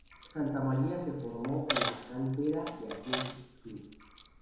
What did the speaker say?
Santamaría se formó en la cantera del Athletic Club.